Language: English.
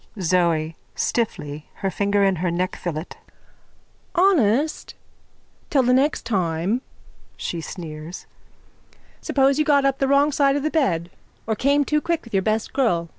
ZOE: (Stiffly, her finger in her neckfillet.) Honest? Till the next time. (She sneers.) Suppose you got up the wrong side of the bed or came too quick with your best girl.